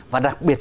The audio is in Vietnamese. và đặc biệt